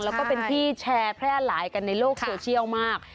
แล้วก็เป็นที่แชร์แพร่หลายกันในโลกโซเชียลมาก